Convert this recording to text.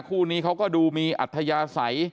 คู่นี้เขาก็ดูมีอัธยาศัย